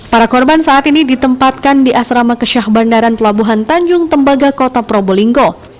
para korban saat ini ditempatkan di asrama kesyah bandaran pelabuhan tanjung tembaga kota probolinggo